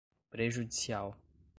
prejudicial